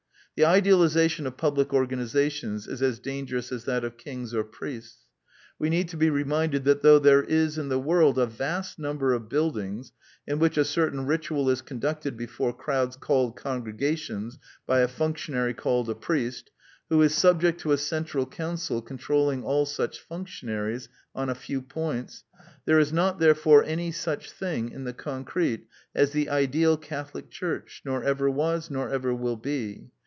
The idealization of public organizations is as dangerous as that of kings or priests. We need to be reminded that though there is in the world a vast number of buildings in which a certain ritual is conducted before crowds called congregations by a functionary called a priest, who is subject to a central council controlling all such functionaries on a few points, there is not therefore any such thing in the con crete as the ideal Catholic Church, nor ever was, nor ever will be.